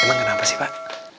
emang kenapa sih pak